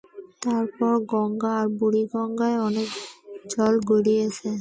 তারপর গঙ্গা আর বুড়িগঙ্গায় অনেক জল গড়িয়েছে।